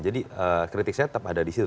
jadi kritik saya tetap ada di situ